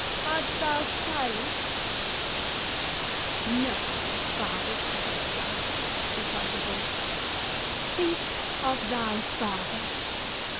—art thou silenced?" "No, foul parricide!" replied the voice; "think of thy father!